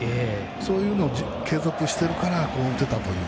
そういうのを継続しているから打てたという。